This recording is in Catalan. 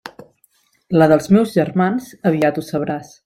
La dels meus germans aviat ho sabràs.